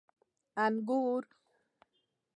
🍇 انګور